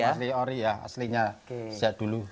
asli ori ya aslinya sejak dulu